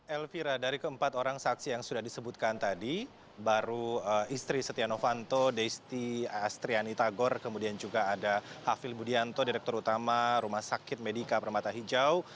elvira dari keempat orang saksi yang sudah disebutkan tadi baru istri setia novanto desti astriani tagor kemudian juga ada hafil budianto direktur utama rumah sakit medika permata hijau